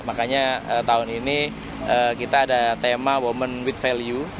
makanya tahun ini kita ada tema women with value